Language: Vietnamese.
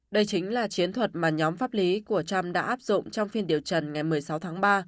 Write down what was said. đây chính là chiến thuật mà nhóm pháp lý của trump đã áp dụng trong phiên điều trần ngày một mươi sáu tháng ba